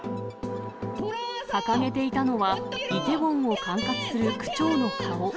掲げていたのは、イテウォンを管轄する区長の顔。